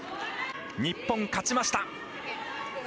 日本、勝ちました。